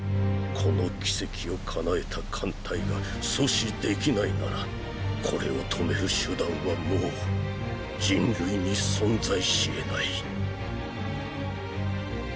この奇跡を叶えた艦隊が阻止できないならこれを止める手段はもう人類に存在しえない。